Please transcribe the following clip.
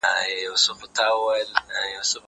زه به سفر کړی وي!